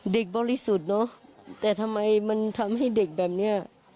บริสุทธิ์เนอะแต่ทำไมมันทำให้เด็กแบบนี้